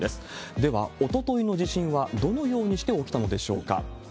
では、おとといの地震はどのようにして起きたのでしょうか。